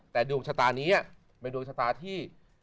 แต่ดวงชะตานี้เป็นดวงชะตาที่